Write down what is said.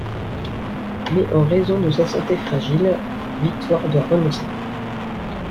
Mais en raison de sa santé fragile, Victoire doit renoncer.